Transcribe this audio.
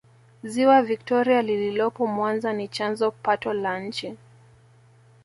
ziwa victoria lililopo mwanza ni chanzo pato la nchi